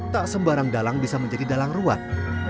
tak sembarang dalang bisa menjadi dalang ruat